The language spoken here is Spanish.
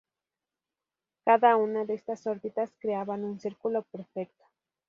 Cada una de estas órbitas creaban un círculo perfecto.